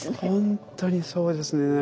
本当にそうですね。